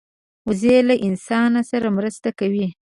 وزې له انسان سره مرسته کوي